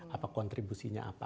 apa kontribusinya apa